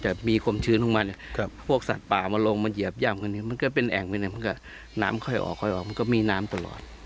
เหมือนแบบน้ำปักน้ำเลน